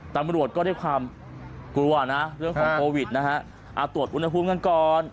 ตำรวจก็ด้วยความกลัวนะเรื่องของโควิดนะฮะเอาตรวจอุณหภูมิกันก่อน